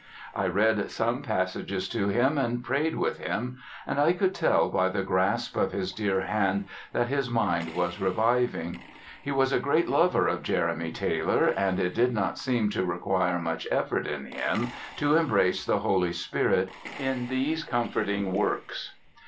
I read some passages to him, and prayed with him, and I could tell by the grasp of his dear hand that his mind was reviving. He was a great lover of Jeremy Taylor, and it did not seem to require much effort in him to embrace the Holy Spirit in these comforting works.